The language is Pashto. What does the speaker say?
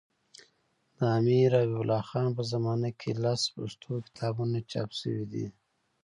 د امیرحبیب الله خان په زمانه کي لس پښتو کتابونه چاپ سوي دي.